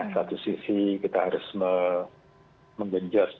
satu sisi kita harus menggenjot